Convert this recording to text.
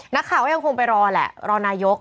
นักข่าวก็ยังคงไปรอแหละรอนายก